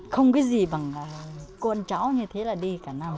không biết gì bằng con cháu như thế là đi cả năm